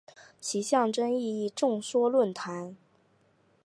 其象征意义众说纷纭。